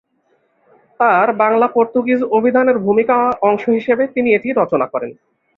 তাঁর বাংলা-পর্তুগিজ অভিধানের ভূমিকা অংশ হিসেবে তিনি এটি রচনা করেন।